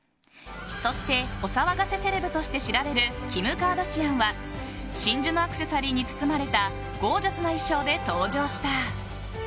そしてお騒がせセレブとして知られるキム・カーダシアンは真珠のアクセサリーに包まれたゴージャスな衣装で登場した。